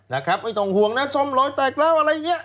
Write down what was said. นะครับไม่ต้องห่วงนะซ่อมหลอยแตกแล้วอะไรเนี่ย